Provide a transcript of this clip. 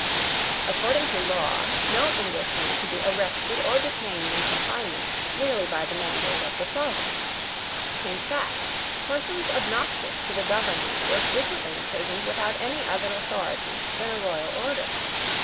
According to law no Englishman could be arrested or detained in confinement merely by the mandate of the sovereign. In fact, persons obnoxious to the government were frequently imprisoned without any other authority than a royal order.